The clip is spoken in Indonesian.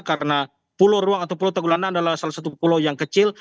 karena pulau ruang atau pulau tagulandang adalah salah satu pulau yang kecil